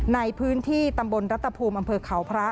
ในพื้นที่ตำบลรัฐภูมิอำเภอเขาพระ